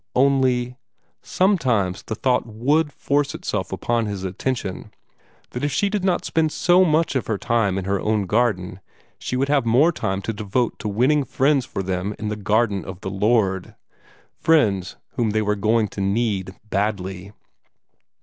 Only only, sometimes the thought WOULD force itself upon his attention that if she did not spend so much of her time in her own garden, she would have more time to devote to winning friends for them in the Garden of the Lord friends whom they were going to need badly.